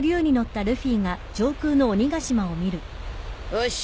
よし。